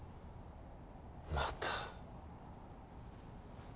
また。